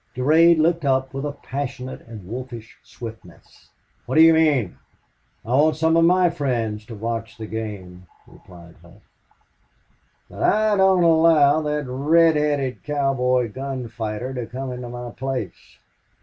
Durade looked up with a passionate and wolfish swiftness. "What do you mean?" "I want some of my friends to watch the game," replied Hough. "But I don't allow that red headed cowboy gun fighter to come into my place."